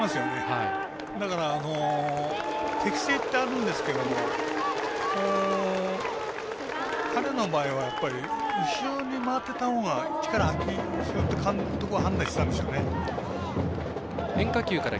だから、適性ってあるんですけど彼の場合は後ろに回っていたほうが力を発揮するって監督は判断したんでしょうね。